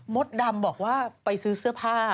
ดำบอกว่าไปซื้อเสื้อผ้า